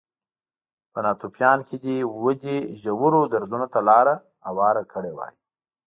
په ناتوفیان کې دې ودې ژورو درزونو ته لار هواره کړې وای